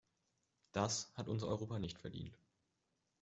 Das hat unser Europa nicht verdient.